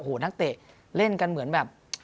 โอ้โหนักเตะเล่นกันเหมือนแบบ